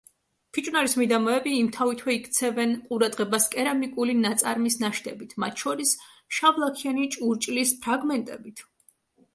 ფიჭვნარის მიდამოები იმთავითვე იქცევენ ყურადღებას კერამიკული ნაწარმის ნაშთებით, მათ შორის შავლაქიანი ჭურჭლის ფრაგმენტებით.